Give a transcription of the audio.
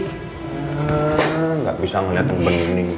hmm gak bisa ngeliat yang bener bener ini